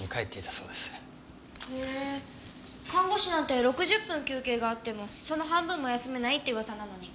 へえ看護師なんて６０分休憩があってもその半分も休めないって噂なのに。